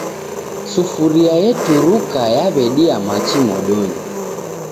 Sufuria eturuka yawedia machi modonyi